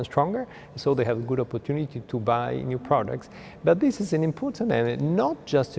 trong cuộc sống ngày hôm như sức khỏe